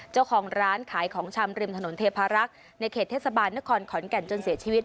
เจ้าของร้านขายของชำริมถนนเทพารักษ์ในเขตเทศบาลนครขอนแก่นจนเสียชีวิต